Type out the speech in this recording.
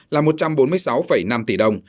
là một trăm bốn mươi sáu năm tỷ đồng